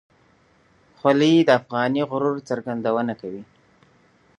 خولۍ د افغاني غرور څرګندونه کوي.